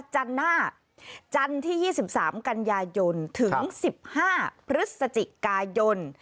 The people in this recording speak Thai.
จันทร์ที่๒๓กัญญาโยนถึง๑๕พฤศจิกายน